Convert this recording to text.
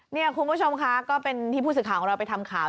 นี่คุณผู้ชมค่ะก็เป็นที่ผู้สื่อข่าวของเราไปทำข่าว